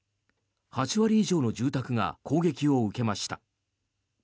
８割以上の住宅が攻撃を受けました。